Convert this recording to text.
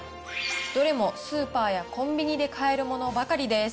どれもスーパーやコンビニで買えるものばかりです。